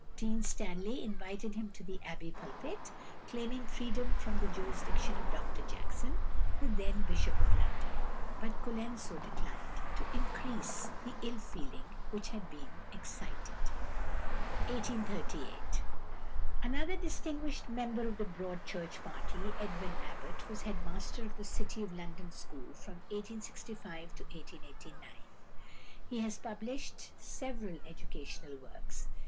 Dean Stanley invited him to the Abbey pulpit, claiming freedom from the jurisdiction of Dr Jackson, the then Bishop of London; but Colenso declined to increase the ill feeling which had been excited. Another distinguished member of the Broad Church party, =Edwin Abbott (1838 )=, was head master of the City of London School from 1865 to 1889. He has published several educational works.